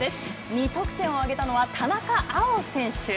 ２得点を挙げたのは田中碧選手。